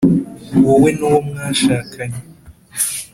wowe n uwo mwashakanye